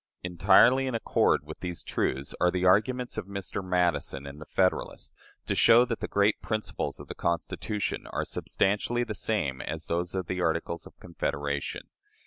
Entirely in accord with these truths are the arguments of Mr. Madison in the "Federalist," to show that the great principles of the Constitution are substantially the same as those of the Articles of Confederation.